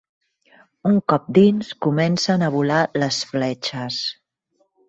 Un cop dins, comencen a volar les fletxes.